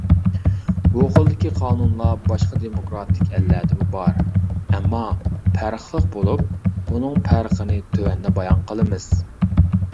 بۇ خىلدىكى قانۇنلار باشقا دېموكراتىك ئەللەردىمۇ بار، ئەمما پەرقلىق بولۇپ، بۇنىڭ پەرقىنى تۆۋەندە بايان قىلىمىز.